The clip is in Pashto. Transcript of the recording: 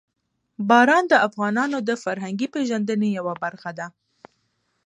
باران د افغانانو د فرهنګي پیژندنې یوه برخه ده.